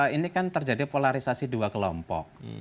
ini kan terjadi polarisasi dua kelompok